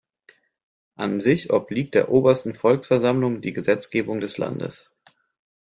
An sich obliegt der Obersten Volksversammlung die Gesetzgebung des Landes.